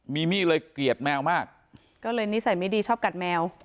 มีมี่เลยเกลียดแมวมากก็เลยนิสัยไม่ดีชอบกัดแมว